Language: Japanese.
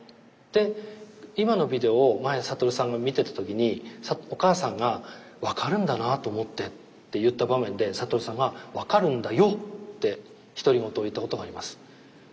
で今のビデオを前に覚さんが見てた時にお母さんが分かるんだなと思ってって言った場面で覚さんが「分かるんだよ！」って独り言を言ったことがあります。